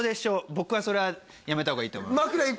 僕はやめたほうがいいと思います